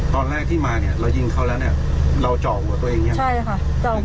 ตอนแรกที่มาเนี่ยเรายิงเขาแล้วเนี่ยเราเจาะหัวตัวเองอย่างเงี้ใช่ค่ะ